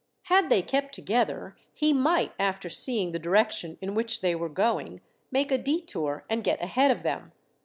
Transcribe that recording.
Had they kept together he might, after seeing the direction in which they were going, make a detour and get ahead of them.